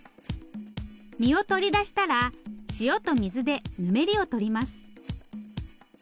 身を取り出したら塩と水でぬめりを取ります。